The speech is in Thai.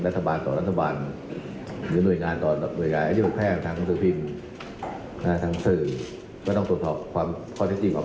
รัฐบาลต่อรัฐบาลหรือหน่วยงานต่อหน่วยงาน